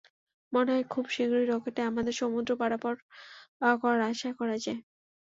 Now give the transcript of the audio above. মনে হয় খুব শীঘ্রই রকেটে আমাদের সমুদ্র পারাপার করার আশা করা যায়।